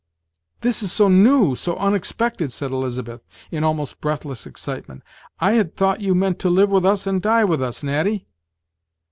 "This is so new! so unexpected!" said Elizabeth, in almost breathless excitement; "I had thought you meant to live with us and die with us, Natty."